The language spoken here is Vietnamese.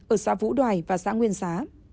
ở xá vũ đoài và xá nguyên xá